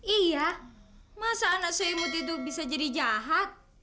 iya masa anak selimut itu bisa jadi jahat